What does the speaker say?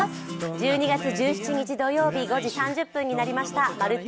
１２月１７日土曜日５時３０分になりました、「まるっと！